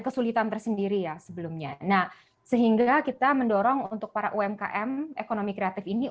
kesulitan tersendiri ya sebelumnya nah sehingga kita mendorong untuk para umkm ekonomi kreatif ini